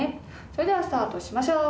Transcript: それではスタートしましょう。